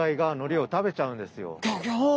ギョギョッ！